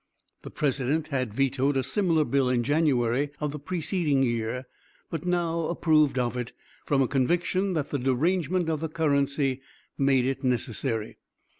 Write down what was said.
The president had vetoed a similar bill in January of the preceding year, but now approved of it, from a conviction that the derangement of the currency made it necessary.